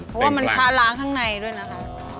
เพราะว่ามันช้าล้างข้างในด้วยนะคะ